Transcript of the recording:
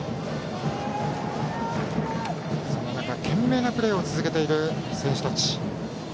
そんな中、懸命なプレーを続けている選手たち。